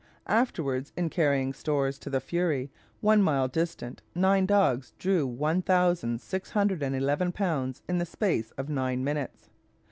Afterwards, in carrying stores to the Fury, one mile distant, nine dogs drew one thousand six hundred and eleven pounds in the space of nine minutes.